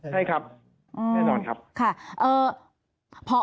ใช่ครับแน่นอนครับ